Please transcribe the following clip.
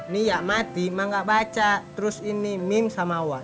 nih ya mati mak gak baca terus ini mim sama wak